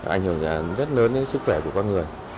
ảnh hưởng rất lớn đến sức khỏe của con người